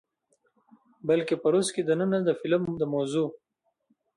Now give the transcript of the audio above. بلکې په روس کښې دننه د فلم د موضوع،